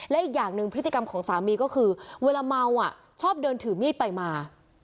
และอีกอย่างหนึ่งพฤติกรรมของสามีก็คือเวลาเมาชอบเดินถือมีดไปมา